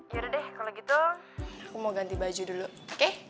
yaudah deh kalau gitu aku mau ganti baju dulu oke